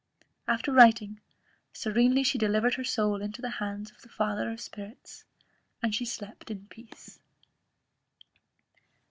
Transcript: After writing, serenely she delivered her soul into the hands of the Father of Spirits; and slept in peace.